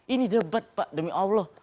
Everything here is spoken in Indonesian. ini debat pak demi allah